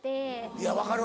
いや分かる